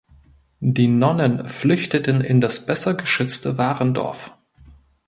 Die Nonnen flüchteten in das besser geschützte Warendorf.